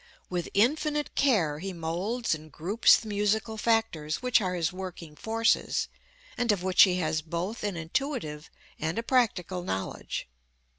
With infinite care he molds and groups the musical factors which are his working forces, and of which he has both an intuitive and a practical knowledge.